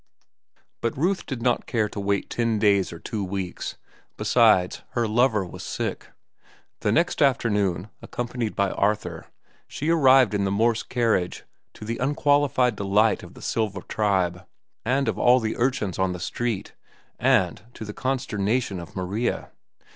But Ruth did not care to wait ten days or two weeks. Besides, her lover was sick. The next afternoon, accompanied by Arthur, she arrived in the Morse carriage, to the unqualified delight of the Silva tribe and of all the urchins on the street, and to the consternation of Maria.